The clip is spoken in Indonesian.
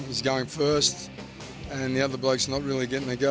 dia pergi pertama dan orang lain tidak bisa pergi